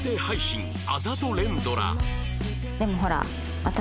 でもほら。